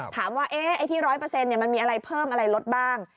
ถามว่าไอ้ที่๑๐๐มันมีอะไรเพิ่มอะไรลดบ้าง